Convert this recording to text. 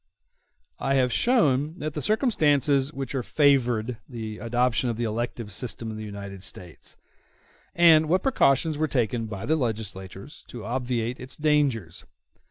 I have shown what the circumstances are which favored the adoption of the elective system in the United States, and what precautions were taken by the legislators to obviate its dangers.